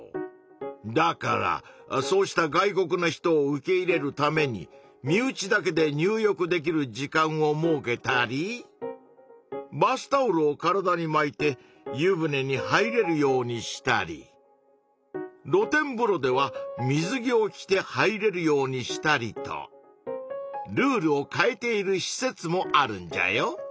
だからそうした外国の人を受け入れるために身内だけで入浴できる時間を設けたりバスタオルを体にまいて湯船に入れるようにしたりろ天ぶろでは水着を着て入れるようにしたりとルールを変えているし設もあるんじゃよ。